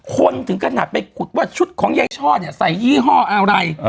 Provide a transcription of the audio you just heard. คนถึงกระหนักไปชุดของเยช่อที่ใส่ยี่ห้ออะไร